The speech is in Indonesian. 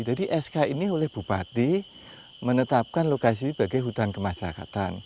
jadi sk ini oleh bupati menetapkan lokasi ini sebagai hutan kemasyarakatan